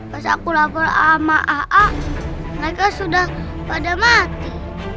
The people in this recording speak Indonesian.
pas aku lapor sama aa mereka sudah pada mati